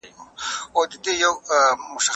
که د معلوماتو امکانات نه وي نو اجرات ناقص کیږي.